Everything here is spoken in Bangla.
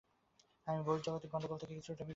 আর বহির্জগতের গণ্ডগোল যেন তোমাকে বিক্ষুব্ধ না করে।